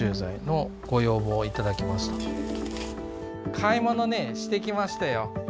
買い物ね、してきましたよ。